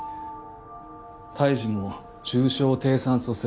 胎児も重症低酸素性